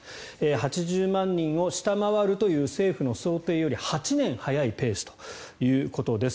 ８０万人を下回るという政府の想定より８年早いペースということです。